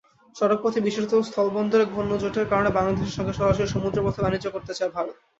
সড়কপথে বিশেষত স্থলবন্দরে পণ্যজটের কারণে বাংলাদেশের সঙ্গে সরাসরি সমুদ্রপথে বাণিজ্য করতে চায় ভারত।